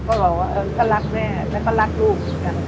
ก็บอกว่าก็รักแม่และก็รักลูก